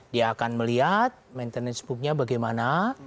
dia akan melihat maintenance book nya bagaimana